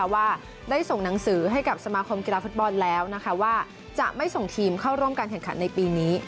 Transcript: ว่าได้ส่งหนังสือให้กับสมาคมกีฬาฟุตบอลแล้วว่าจะไม่ส่งทีมเข้าร่วมการแข่งขันในปีนี้